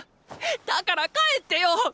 だから帰ってよッ！